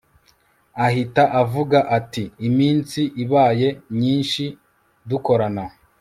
ahita avuga atiiminsi ibaye myinshi dukorana